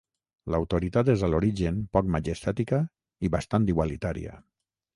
L'autoritat és, a l'origen, poc majestàtica i bastant igualitària.